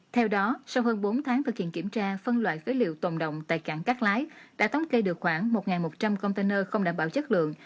theo đó sau hơn bốn tháng thực hiện kiểm tra phân loại phế liệu tồn động tại cảng cát lái đã thống kê được khoảng một một trăm linh container không đảm bảo chất lượng